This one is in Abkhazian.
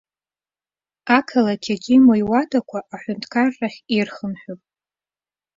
Ақалақь аҿы имоу иуадақәа аҳәынҭқарраахь ирхынҳәып.